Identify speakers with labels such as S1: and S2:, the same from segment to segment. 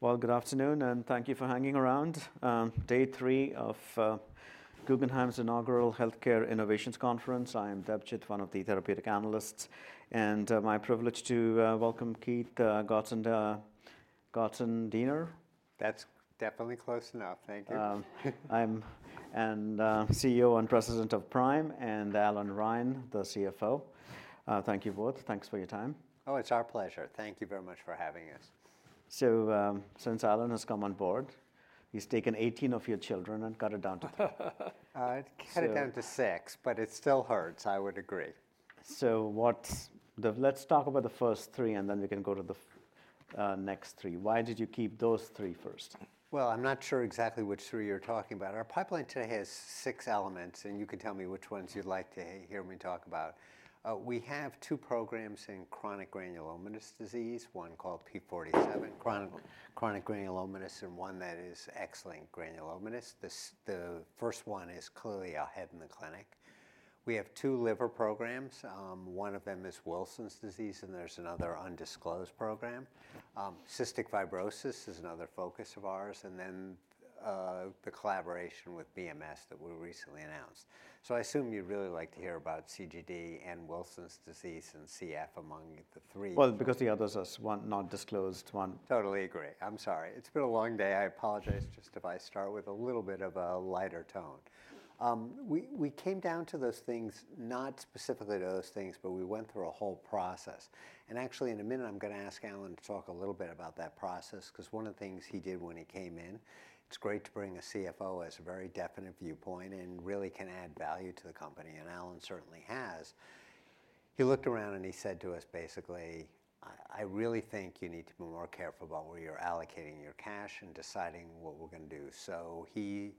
S1: Good afternoon, and thank you for hanging around. Day three of Guggenheim's Inaugural Healthcare Innovations Conference. I am Debjit, one of the therapeutic analysts, and my privilege to welcome Keith Gottesdiener.
S2: That's definitely close enough. Thank you.
S1: Keith Gottesdiener, CEO and President of Prime, and Allan Reine, the CFO. Thank you both. Thanks for your time.
S2: Oh, it's our pleasure. Thank you very much for having us.
S1: Since Allan has come on board, he's taken 18 of your children and cut it down to three.
S2: It's cut it down to six, but it still hurts, I would agree.
S1: Let's talk about the first three, and then we can go to the next three. Why did you keep those three first?
S2: I'm not sure exactly which three you're talking about. Our pipeline today has six elements, and you can tell me which ones you'd like to hear me talk about. We have two programs in chronic granulomatous disease, one called p47 chronic granulomatous, and one that is X-linked granulomatous. The first one is clearly ahead in the clinic. We have two liver programs. One of them is Wilson's disease, and there's another undisclosed program. Cystic fibrosis is another focus of ours, and then the collaboration with BMS that we recently announced. So I assume you'd really like to hear about CGD and Wilson's disease and CF among the three.
S1: Because the others are one not disclosed, one.
S2: Totally agree. I'm sorry. It's been a long day. I apologize just if I start with a little bit of a lighter tone. We came down to those things, not specifically to those things, but we went through a whole process. Actually, in a minute, I'm gonna ask Allan to talk a little bit about that process, 'cause one of the things he did when he came in. It's great to bring a CFO as a very definite viewpoint and really can add value to the company, and Allan certainly has. He looked around and he said to us basically, "I really think you need to be more careful about where you're allocating your cash and deciding what we're gonna do." So he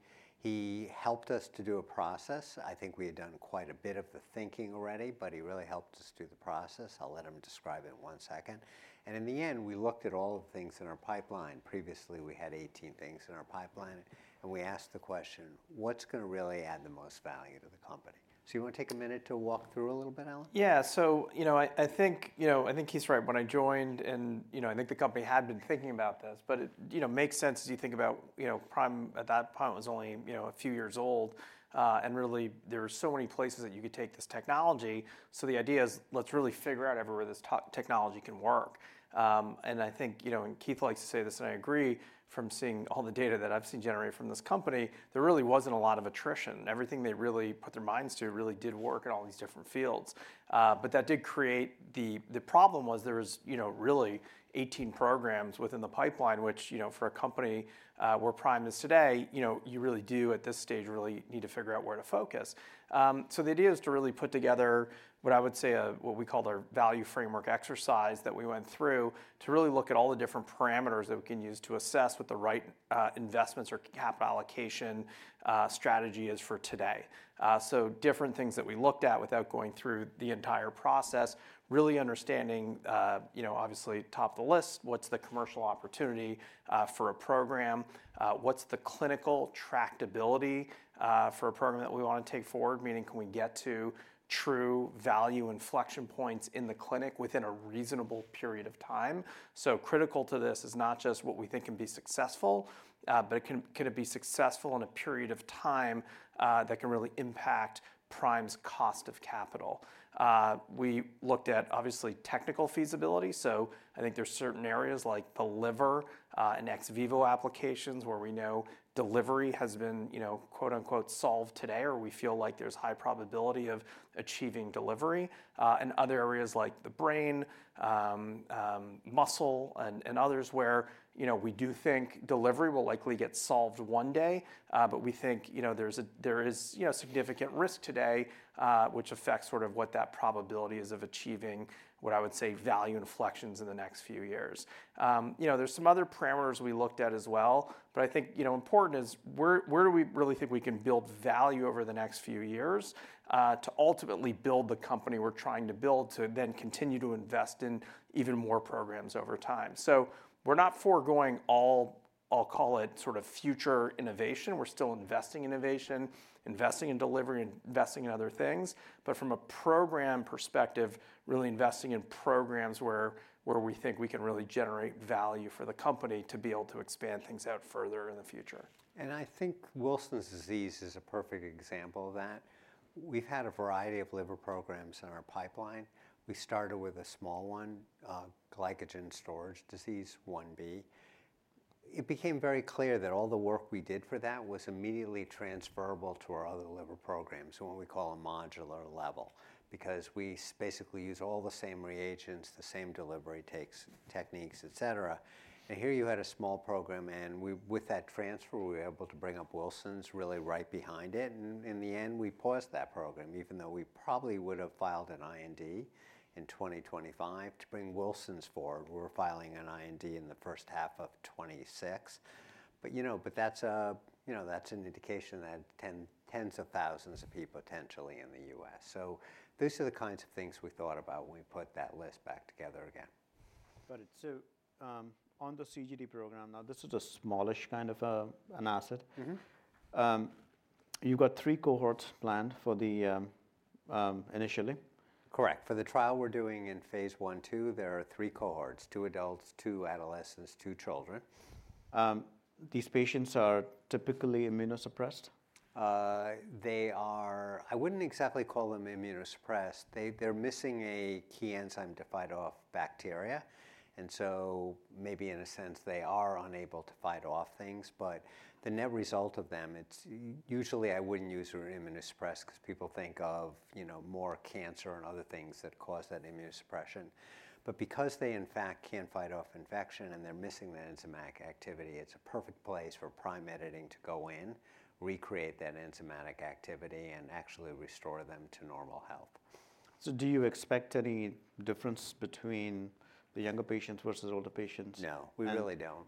S2: helped us to do a process. I think we had done quite a bit of the thinking already, but he really helped us do the process. I'll let him describe it in one second, and in the end, we looked at all the things in our pipeline. Previously, we had 18 things in our pipeline, and we asked the question, "What's gonna really add the most value to the company," so you wanna take a minute to walk through a little bit, Allan?
S3: Yeah. So, you know, I think he's right. When I joined, you know, I think the company had been thinking about this, but it, you know, makes sense as you think about, you know, Prime at that point was only, you know, a few years old, and really there were so many places that you could take this technology. So the idea is let's really figure out everywhere this technology can work, and I think, you know, Keith likes to say this, and I agree, from seeing all the data that I've seen generated from this company, there really wasn't a lot of attrition. Everything they really put their minds to really did work in all these different fields. But that did create the, the problem was there was, you know, really 18 programs within the pipeline, which, you know, for a company where Prime is today, you know, you really do at this stage really need to figure out where to focus. So the idea is to really put together what I would say a, what we called our value framework exercise that we went through to really look at all the different parameters that we can use to assess what the right investments or capital allocation strategy is for today. So different things that we looked at without going through the entire process, really understanding, you know, obviously top of the list, what's the commercial opportunity for a program, what's the clinical tractability for a program that we wanna take forward, meaning can we get to true value inflection points in the clinic within a reasonable period of time. So critical to this is not just what we think can be successful, but it can, can it be successful in a period of time that can really impact Prime's cost of capital. We looked at obviously technical feasibility. So I think there's certain areas like the liver, and ex vivo applications where we know delivery has been, you know, quote unquote solved today, or we feel like there's high probability of achieving delivery. And other areas like the brain, muscle, and others where, you know, we do think delivery will likely get solved one day, but we think, you know, there is, you know, significant risk today, which affects sort of what that probability is of achieving what I would say value inflections in the next few years. You know, there's some other parameters we looked at as well, but I think, you know, important is where do we really think we can build value over the next few years to ultimately build the company we're trying to build to then continue to invest in even more programs over time. So we're not forgoing all, I'll call it sort of future innovation. We're still investing in innovation, investing in delivery, investing in other things, but from a program perspective, really investing in programs where we think we can really generate value for the company to be able to expand things out further in the future.
S2: I think Wilson's disease is a perfect example of that. We've had a variety of liver programs in our pipeline. We started with a small one, glycogen storage disease 1b. It became very clear that all the work we did for that was immediately transferable to our other liver programs, what we call a modular level, because we basically use all the same reagents, the same delivery techniques, et cetera. Here you had a small program, and we, with that transfer, we were able to bring up Wilson's really right behind it. In the end, we paused that program, even though we probably would've filed an IND in 2025 to bring Wilson's forward. We were filing an IND in the first half of 2026. You know, that's an indication that had tens of thousands of people potentially in the U.S. So these are the kinds of things we thought about when we put that list back together again.
S1: Got it. So, on the CGD program, now this is a smallish kind of a, an asset.
S2: Mm-hmm.
S1: You've got three cohorts planned for the, initially.
S2: Correct. For the trial we're doing in phase I/II, there are three cohorts: two adults, two adolescents, two children. These patients are typically immunosuppressed. They are, I wouldn't exactly call them immunosuppressed. They, they're missing a key enzyme to fight off bacteria, and so maybe in a sense they are unable to fight off things, but the net result of them, it's usually I wouldn't use word immunosuppressed 'cause people think of, you know, more cancer and other things that cause that immunosuppression, but because they in fact can't fight off infection and they're missing the enzymatic activity, it's a perfect place for Prime Editing to go in, recreate that enzymatic activity, and actually restore them to normal health.
S1: So do you expect any difference between the younger patients versus older patients?
S2: No. We really don't.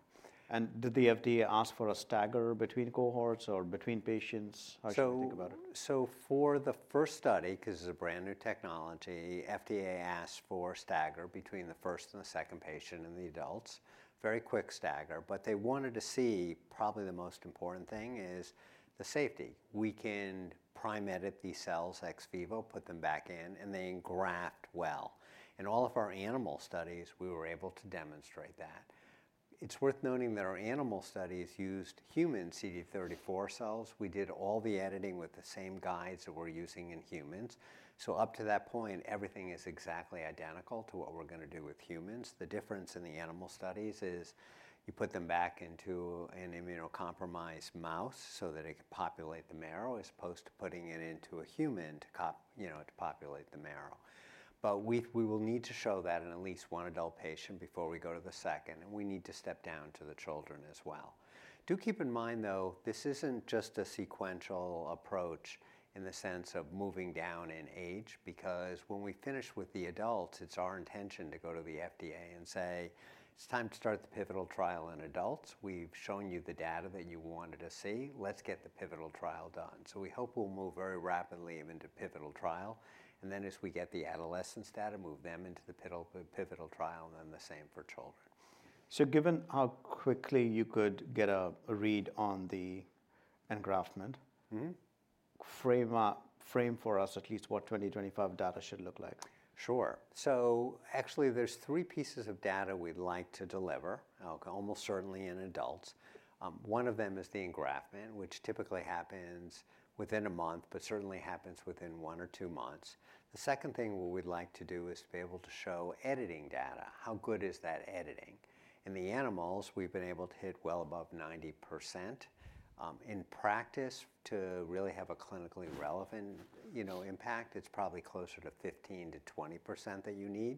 S1: Did the FDA ask for a stagger between cohorts or between patients? How should we think about it?
S2: For the first study, 'cause it's a brand new technology, FDA asked for a stagger between the first and the second patient and the adults. Very quick stagger, but they wanted to see probably the most important thing is the safety. We can Prime Edit these cells ex vivo, put them back in, and they engraft well. In all of our animal studies, we were able to demonstrate that. It's worth noting that our animal studies used human CD34 cells. We did all the editing with the same guides that we're using in humans. Up to that point, everything is exactly identical to what we're gonna do with humans. The difference in the animal studies is you put them back into an immunocompromised mouse so that it can populate the marrow, as opposed to putting it into a human, you know, to populate the marrow. But we will need to show that in at least one adult patient before we go to the second, and we need to step down to the children as well. Do keep in mind though, this isn't just a sequential approach in the sense of moving down in age, because when we finish with the adults, it's our intention to go to the FDA and say, "It's time to start the pivotal trial in adults. We've shown you the data that you wanted to see. Let's get the pivotal trial done." So we hope we'll move very rapidly into pivotal trial. And then as we get the adolescents data, move them into the pivotal trial, and then the same for children.
S1: Given how quickly you could get a read on the engraftment.
S2: Mm-hmm.
S1: Frame up, frame for us at least what 2025 data should look like.
S2: Sure. So actually there's three pieces of data we'd like to deliver, almost certainly in adults. One of them is the engraftment, which typically happens within a month, but certainly happens within one or two months. The second thing we would like to do is to be able to show editing data. How good is that editing? In the animals, we've been able to hit well above 90%. In practice, to really have a clinically relevant, you know, impact, it's probably closer to 15%-20% that you need.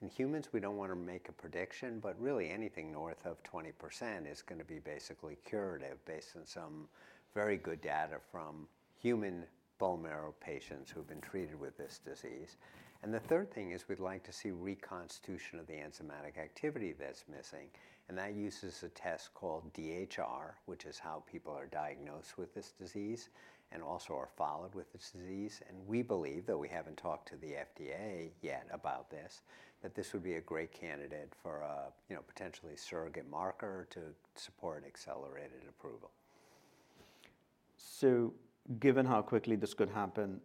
S2: In humans, we don't wanna make a prediction, but really anything north of 20% is gonna be basically curative based on some very good data from human bone marrow patients who've been treated with this disease. And the third thing is we'd like to see reconstitution of the enzymatic activity that's missing. That uses a test called DHR, which is how people are diagnosed with this disease and also are followed with this disease. We believe, though we haven't talked to the FDA yet about this, that this would be a great candidate for a, you know, potentially surrogate marker to support accelerated approval.
S1: So given how quickly this could happen,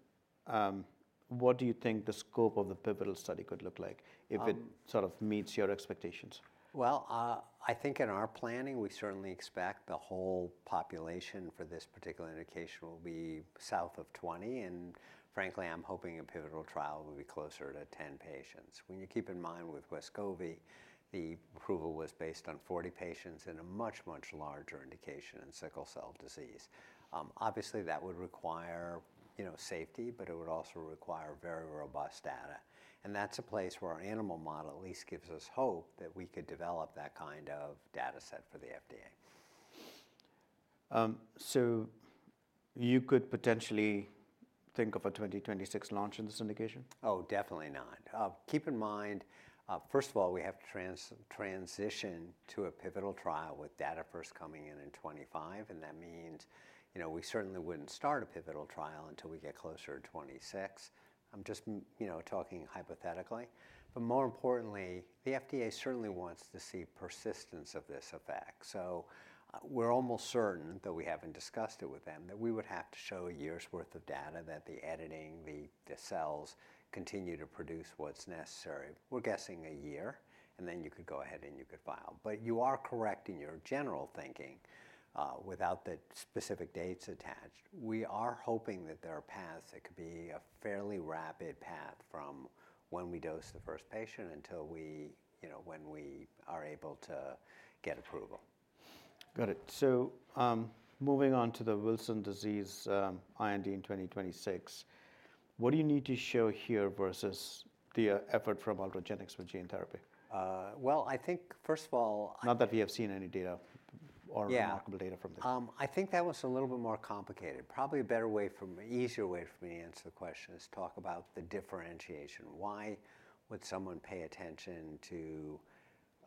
S1: what do you think the scope of the pivotal study could look like if it sort of meets your expectations?
S2: I think in our planning, we certainly expect the whole population for this particular indication will be south of 20. Frankly, I'm hoping a pivotal trial will be closer to 10 patients. When you keep in mind with Casgevy, the approval was based on 40 patients in a much, much larger indication in sickle cell disease. Obviously that would require, you know, safety, but it would also require very robust data. And that's a place where our animal model at least gives us hope that we could develop that kind of dataset for the FDA.
S1: So you could potentially think of a 2026 launch in this indication?
S2: Oh, definitely not. Keep in mind, first of all, we have to transition to a pivotal trial with data first coming in in 2025. And that means, you know, we certainly wouldn't start a pivotal trial until we get closer to 2026. I'm just, you know, talking hypothetically. But more importantly, the FDA certainly wants to see persistence of this effect. So we're almost certain, though we haven't discussed it with them, that we would have to show a year's worth of data that the editing, the cells continue to produce what's necessary. We're guessing a year, and then you could go ahead and you could file. But you are correct in your general thinking, without the specific dates attached. We are hoping that there are paths that could be a fairly rapid path from when we dose the first patient until we, you know, when we are able to get approval.
S1: Got it. So, moving on to the Wilson's disease, IND in 2026, what do you need to show here versus the effort from Ultragenyx with gene therapy?
S2: I think first of all.
S1: Not that we have seen any data or remarkable data from this.
S2: Yeah. I think that was a little bit more complicated. Probably a better way, easier way for me to answer the question is talk about the differentiation. Why would someone pay attention to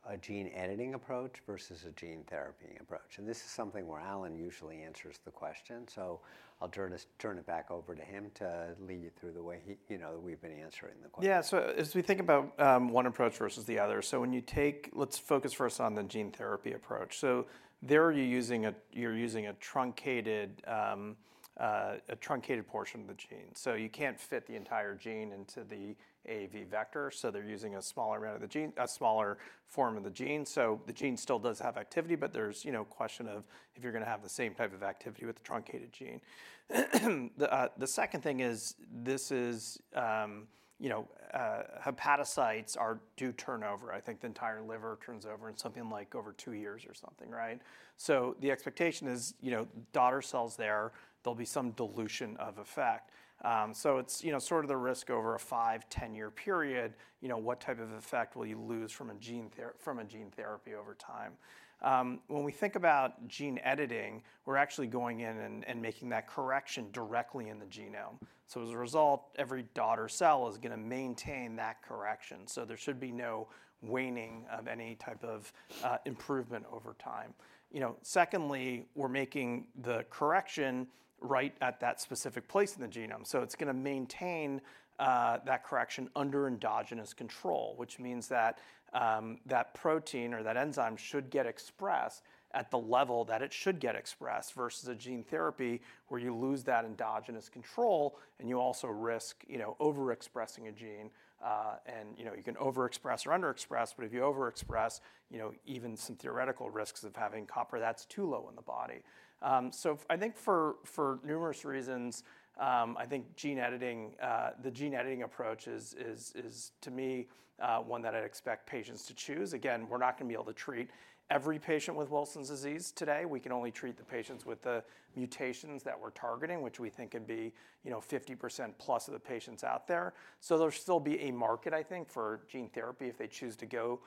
S2: a gene editing approach versus a gene therapy approach? And this is something where Allan usually answers the question. So I'll turn it back over to him to lead you through the way he, you know, that we've been answering the question.
S3: Yeah. So as we think about one approach versus the other, when you take, let's focus first on the gene therapy approach. So there you're using a truncated portion of the gene. So you can't fit the entire gene into the AAV vector. So they're using a smaller amount of the gene, a smaller form of the gene. So the gene still does have activity, but there's, you know, question of if you're gonna have the same type of activity with the truncated gene. The second thing is this is, you know, hepatocytes are low turnover. I think the entire liver turns over in something like over two years or something, right? So the expectation is, you know, daughter cells there, there'll be some dilution of effect. So it's, you know, sort of the risk over a five-10 year period, you know, what type of effect will you lose from a gene therapy over time? When we think about gene editing, we're actually going in and making that correction directly in the genome. So as a result, every daughter cell is gonna maintain that correction. So there should be no waning of any type of improvement over time. You know, secondly, we're making the correction right at that specific place in the genome. So it's gonna maintain that correction under endogenous control, which means that that protein or that enzyme should get expressed at the level that it should get expressed versus a gene therapy where you lose that endogenous control and you also risk, you know, overexpressing a gene. And, you know, you can overexpress or underexpress, but if you overexpress, you know, even some theoretical risks of having copper that's too low in the body. So, I think for numerous reasons, I think gene editing, the gene editing approach is to me one that I'd expect patients to choose. Again, we're not gonna be able to treat every patient with Wilson's disease today. We can only treat the patients with the mutations that we're targeting, which we think could be, you know, 50%+ of the patients out there. So, there'll still be a market, I think, for gene therapy if they choose to go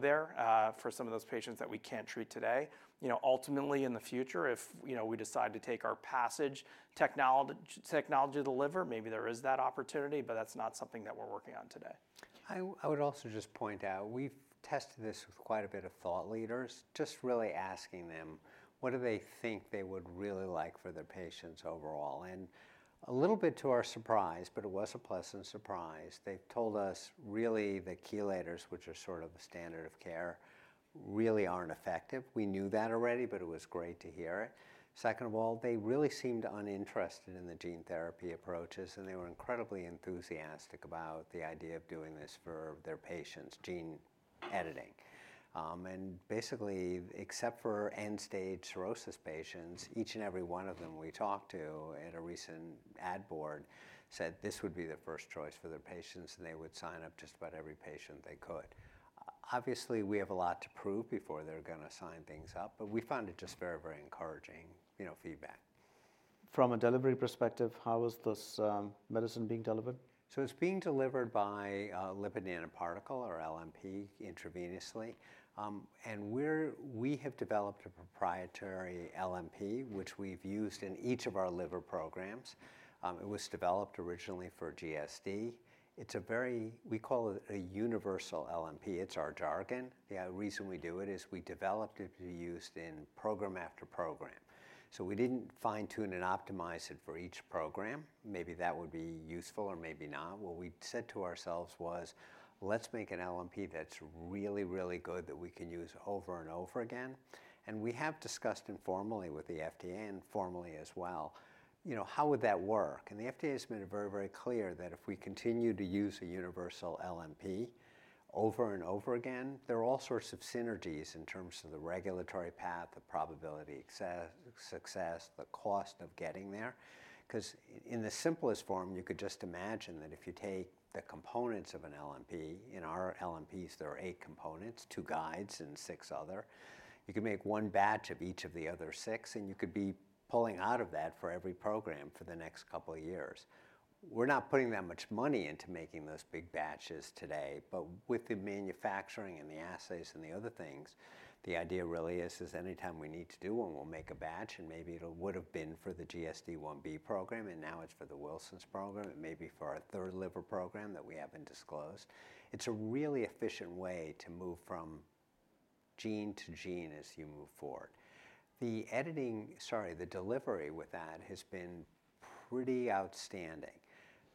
S3: there, for some of those patients that we can't treat today. You know, ultimately in the future, if, you know, we decide to take our Prime Editing technology to the liver, maybe there is that opportunity, but that's not something that we're working on today.
S2: I would also just point out we've tested this with quite a bit of thought leaders, just really asking them what do they think they would really like for their patients overall, and a little bit to our surprise, but it was a pleasant surprise. They've told us really the chelators, which are sort of the standard of care, really aren't effective. We knew that already, but it was great to hear it. Second of all, they really seemed uninterested in the gene therapy approaches, and they were incredibly enthusiastic about the idea of doing this for their patients, gene editing, and basically, except for end stage cirrhosis patients, each and every one of them we talked to at a recent ad board said this would be the first choice for their patients, and they would sign up just about every patient they could. Obviously, we have a lot to prove before they're gonna sign things up, but we found it just very, very encouraging, you know, feedback.
S1: From a delivery perspective, how is this medicine being delivered?
S2: So it's being delivered by lipid nanoparticle or LNP intravenously. And we're, we have developed a proprietary LNP, which we've used in each of our liver programs. It was developed originally for GSD. It's a very, we call it a universal LNP. It's our jargon. The reason we do it is we developed it to be used in program after program. So we didn't fine tune and optimize it for each program. Maybe that would be useful or maybe not. What we said to ourselves was, let's make an LNP that's really, really good that we can use over and over again. And we have discussed informally with the FDA and formally as well, you know, how would that work? The FDA has made it very, very clear that if we continue to use a universal LNP over and over again, there are all sorts of synergies in terms of the regulatory path, the probability success, the cost of getting there. 'Cause in the simplest form, you could just imagine that if you take the components of an LNP, in our LNPs, there are eight components, two guides and six other, you could make one batch of each of the other six, and you could be pulling out of that for every program for the next couple of years. We're not putting that much money into making those big batches today, but with the manufacturing and the assays and the other things, the idea really is, is anytime we need to do one, we'll make a batch, and maybe it would've been for the GSD1b program, and now it's for the Wilson's program, and maybe for our third liver program that we haven't disclosed. It's a really efficient way to move from gene to gene as you move forward. The editing, sorry, the delivery with that has been pretty outstanding.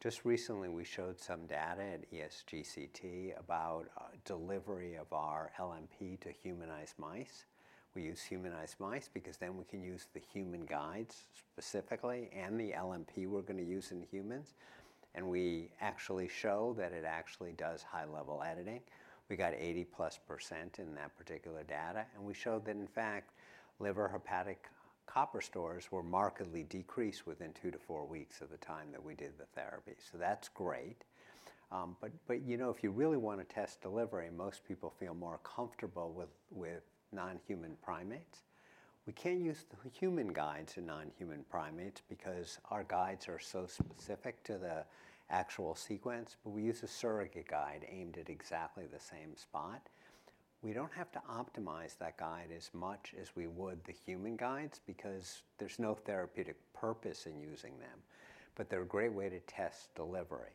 S2: Just recently we showed some data at ESGCT about delivery of our LNP to humanized mice. We use humanized mice because then we can use the human guides specifically and the LNP we're gonna use in humans, and we actually show that it actually does high level editing. We got 80%+ in that particular data, and we showed that in fact, liver hepatic copper stores were markedly decreased within two to four weeks of the time that we did the therapy. So that's great, but you know, if you really wanna test delivery, most people feel more comfortable with non-human primates. We can't use the human guides in non-human primates because our guides are so specific to the actual sequence, but we use a surrogate guide aimed at exactly the same spot. We don't have to optimize that guide as much as we would the human guides because there's no therapeutic purpose in using them, but they're a great way to test delivery.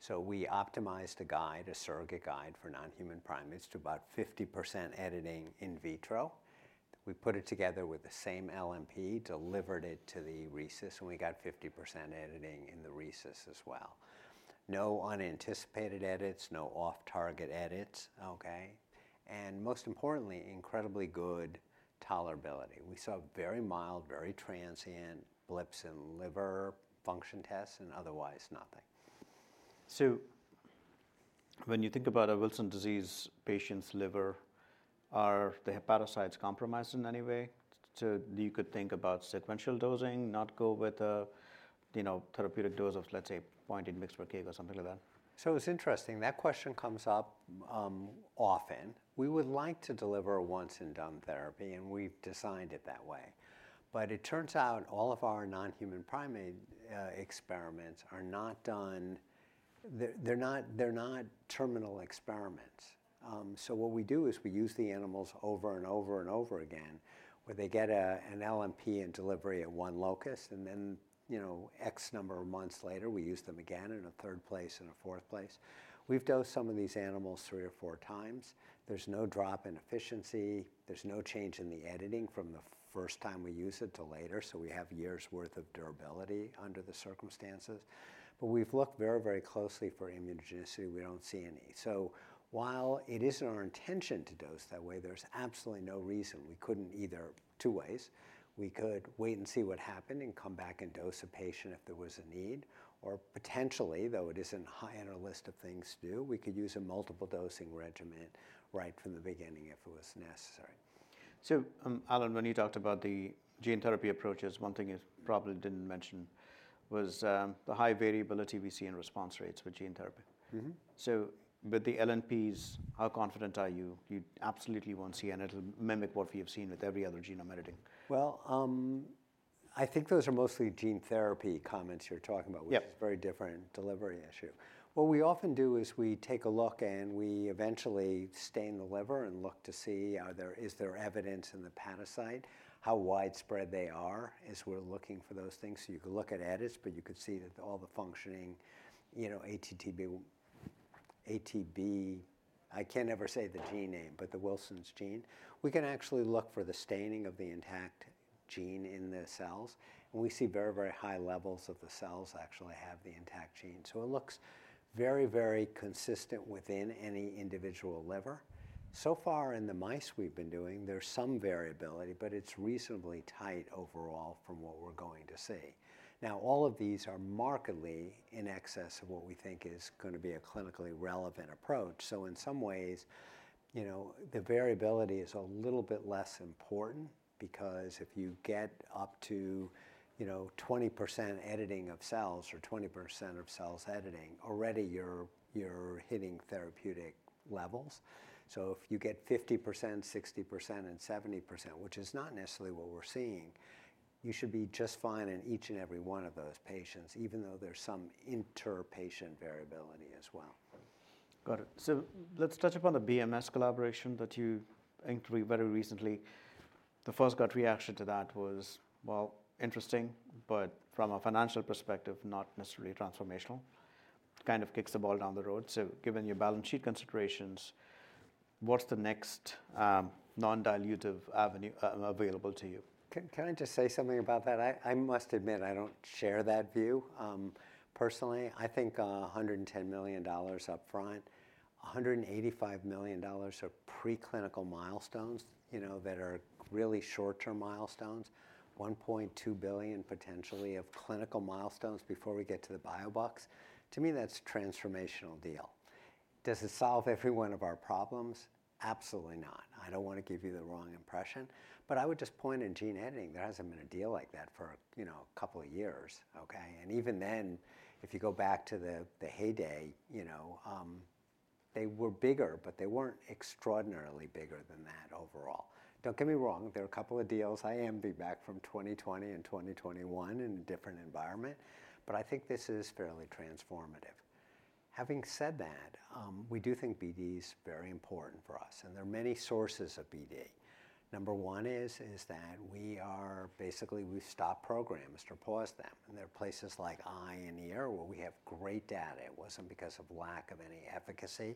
S2: So we optimized the guide, a surrogate guide for non-human primates, to about 50% editing in vitro. We put it together with the same LNP, delivered it to the hepatocytes, and we got 50% editing in the hepatocytes as well. No unanticipated edits, no off-target edits, okay? And most importantly, incredibly good tolerability. We saw very mild, very transient blips in liver function tests and otherwise nothing.
S1: So when you think about a Wilson's disease patient's liver, are the hepatocytes compromised in any way? So you could think about sequential dosing, not go with a, you know, therapeutic dose of, let's say, penicillamine or trientine or something like that?
S2: It's interesting. That question comes up often. We would like to deliver a once and done therapy, and we've designed it that way. It turns out all of our non-human primate experiments are not done. They're not terminal experiments. What we do is we use the animals over and over and over again, where they get an LNP and delivery at one locus, and then, you know, x number of months later, we use them again in a third place and a fourth place. We've dosed some of these animals three or four times. There's no drop in efficiency. There's no change in the editing from the first time we use it to later. We have years' worth of durability under the circumstances. We've looked very, very closely for immunogenicity. We don't see any. So while it isn't our intention to dose that way, there's absolutely no reason we couldn't either of two ways. We could wait and see what happened and come back and dose a patient if there was a need. Or potentially, though it isn't high on our list of things to do, we could use a multiple dosing regimen right from the beginning if it was necessary.
S1: So, Allan, when you talked about the gene therapy approaches, one thing you probably didn't mention was, the high variability we see in response rates with gene therapy.
S3: Mm-hmm.
S1: With the LNPs, how confident are you? You absolutely won't see any, it'll mimic what we have seen with every other genome editing.
S2: I think those are mostly gene therapy comments you're talking about, which is very different delivery issue. What we often do is we take a look and we eventually stain the liver and look to see are there, is there evidence in the hepatocyte, how widespread they are as we're looking for those things. So you could look at edits, but you could see that all the functioning, you know, ATP7B, I can't ever say the gene name, but the Wilson's gene, we can actually look for the staining of the intact gene in the cells. And we see very, very high levels of the cells actually have the intact gene. So it looks very, very consistent within any individual liver. So far in the mice we've been doing, there's some variability, but it's reasonably tight overall from what we're going to see. Now, all of these are markedly in excess of what we think is gonna be a clinically relevant approach. So in some ways, you know, the variability is a little bit less important because if you get up to, you know, 20% editing of cells or 20% of cells editing, already you're hitting therapeutic levels. So if you get 50%, 60%, and 70%, which is not necessarily what we're seeing, you should be just fine in each and every one of those patients, even though there's some interpatient variability as well.
S1: Got it. So let's touch upon the BMS collaboration that you entered very recently. The first gut reaction to that was, well, interesting, but from a financial perspective, not necessarily transformational. Kind of kicks the ball down the road. So given your balance sheet considerations, what's the next, non-dilutive avenue, available to you?
S2: Can I just say something about that? I must admit I don't share that view, personally. I think, $110 million upfront, $185 million are preclinical milestones, you know, that are really short-term milestones, $1.2 billion potentially of clinical milestones before we get to the biobucks. To me, that's a transformational deal. Does it solve every one of our problems? Absolutely not. I don't wanna give you the wrong impression, but I would just point in gene editing, there hasn't been a deal like that for, you know, a couple of years, okay? And even then, if you go back to the, the heyday, you know, they were bigger, but they weren't extraordinarily bigger than that overall. Don't get me wrong, there are a couple of deals. I mean, back from 2020 and 2021 in a different environment, but I think this is fairly transformative. Having said that, we do think BD's very important for us, and there are many sources of BD. Number one is that we are basically, we stop programs to pause them. And there are places like eye and ear where we have great data. It wasn't because of lack of any efficacy.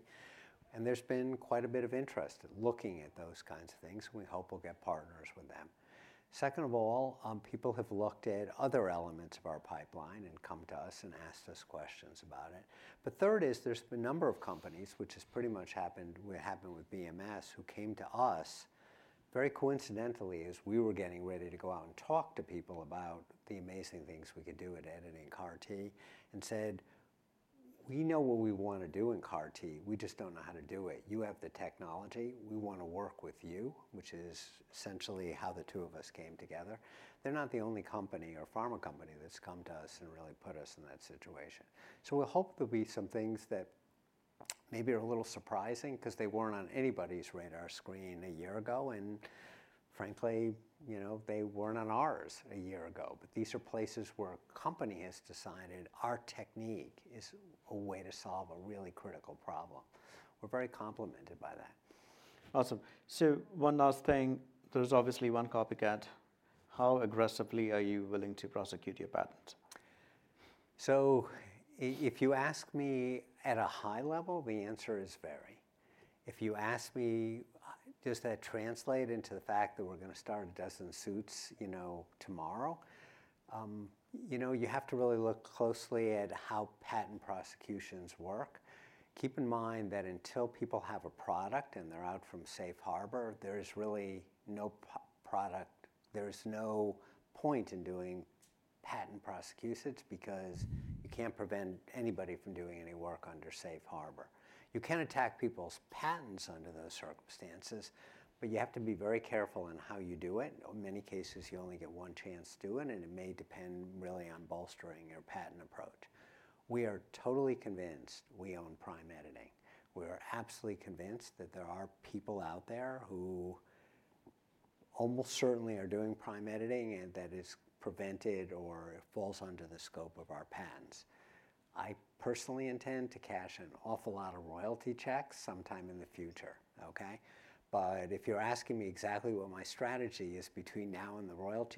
S2: And there's been quite a bit of interest looking at those kinds of things, and we hope we'll get partners with them. Second of all, people have looked at other elements of our pipeline and come to us and asked us questions about it. But third is there's been a number of companies, which has pretty much happened, what happened with BMS, who came to us very coincidentally as we were getting ready to go out and talk to people about the amazing things we could do at editing CAR-T and said, we know what we wanna do in CAR-T, we just don't know how to do it. You have the technology, we wanna work with you, which is essentially how the two of us came together. They're not the only company or pharma company that's come to us and really put us in that situation. So we hope there'll be some things that maybe are a little surprising 'cause they weren't on anybody's radar screen a year ago, and frankly, you know, they weren't on ours a year ago. But these are places where a company has decided our technique is a way to solve a really critical problem. We're very complimented by that.
S1: Awesome. So one last thing. There's obviously one copycat. How aggressively are you willing to prosecute your patents?
S2: So if you ask me at a high level, the answer is very. If you ask me, does that translate into the fact that we're gonna start a dozen suits, you know, tomorrow? You know, you have to really look closely at how patent prosecutions work. Keep in mind that until people have a product and they're out from safe harbor, there is really no product. There is no point in doing patent prosecutions because you can't prevent anybody from doing any work under safe harbor. You can attack people's patents under those circumstances, but you have to be very careful in how you do it. In many cases, you only get one chance to do it, and it may depend really on bolstering your patent approach. We are totally convinced we own Prime Editing. We are absolutely convinced that there are people out there who almost certainly are doing Prime Editing and that is prevented or falls under the scope of our patents. I personally intend to cash an awful lot of royalty checks sometime in the future, okay? But if you're asking me exactly what my strategy is between now and the royalty.